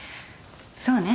そうね。